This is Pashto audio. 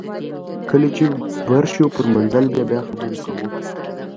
کله چې بر شو پر منزل بیا به خبرې کوو